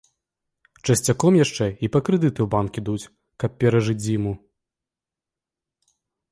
Часцяком яшчэ і па крэдыты ў банк ідуць, каб перажыць зіму.